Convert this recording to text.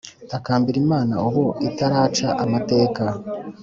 Takambira imana ubu itaraca amateka